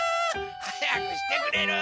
はやくしてくれる！